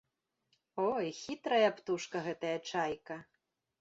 Ой, хітрая птушка гэтая чайка!